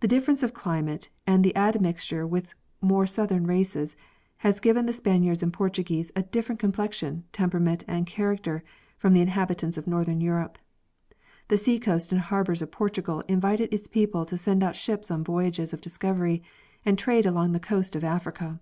The difference of climate and the admixture with more southern races has given to the Spaniards and Portuguese a different complexion, temperament and character from the inhabitants of northern Europe. The sea coast and harbors of Portugal invited its people to send _ out ships on voyages of discovery and trade along the coast of Africa.